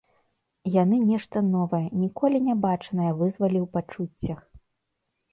Яны нешта новае, ніколі не бачанае вызвалі ў пачуццях.